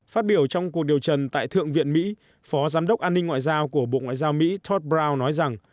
phát biểu trong cuộc điều trần tại thượng viện mỹ phó giám đốc an ninh ngoại giao của bộ ngoại giao mỹ thod brown nói rằng